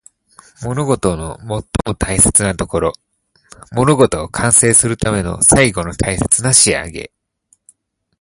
物事の最も大切なところ。物事を完成するための最後の大切な仕上げ。